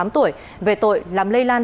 hai mươi tám tuổi về tội làm lây lan